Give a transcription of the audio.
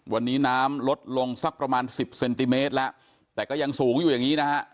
วันนี้น้ำลดลงสักประมาณสิบเซนติเมตรแล้วแต่ก็ยังสูงอยู่อย่างนี้นะฮะ